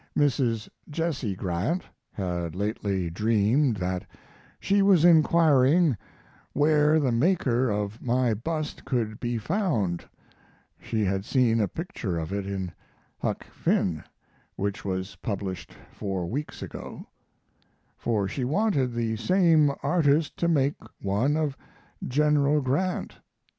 Mrs. Jesse Grant had lately dreamed that she was inquiring where the maker of my bust could be found (she had seen a picture of it in Huck Finn, which was published four weeks ago), for she wanted the same artist to make one of General Grant.